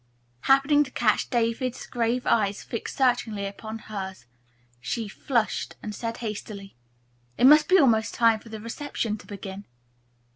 Happening to catch David's grave eyes fixed searchingly upon her she flushed and said hastily, "It must be almost time for the reception to begin."